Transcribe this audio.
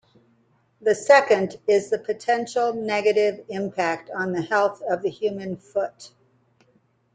The second is the potential negative impact on the health of the human foot.